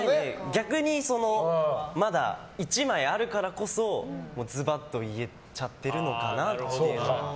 逆に、まだ１枚あるからこそズバッと言えちゃってるのかなって。